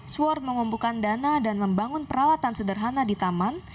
swart mengumpulkan dana dan membangun peralatan sederhana di taman